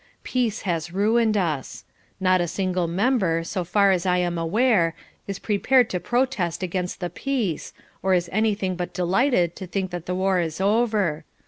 Peace has ruined us. Not a single member, so far as I am aware, is prepared to protest against the peace, or is anything but delighted to think that the war is over.